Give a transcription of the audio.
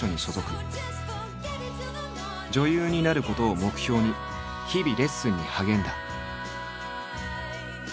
女優になることを目標に日々レッスンに励んだ。